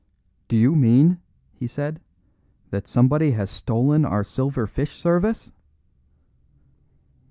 "Do you mean," he said, "that somebody has stolen our silver fish service?"